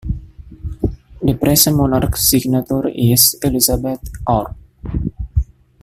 The present monarch's signature is "Elizabeth R".